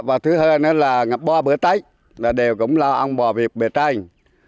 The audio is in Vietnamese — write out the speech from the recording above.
và thứ hai nữa là bò bữa tách đều cũng lo ông bò việc bề tranh